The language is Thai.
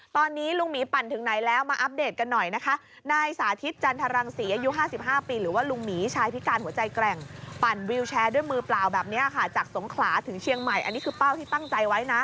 ตอนนี้ลุงมี๋ไปปั่นถึงไหนละมาอัปเดตกันหน่อย